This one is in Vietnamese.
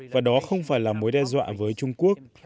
và đó không phải là mối đe dọa với trung quốc